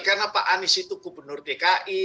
karena pak anies itu gubernur dki